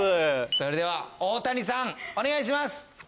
それでは大谷さんお願いします！